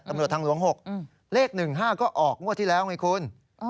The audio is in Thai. ตำรวจทางหลวงหกอืมเลขหนึ่งห้าก็ออกงวดที่แล้วไงคุณ